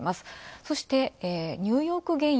そして、ニューヨーク原油。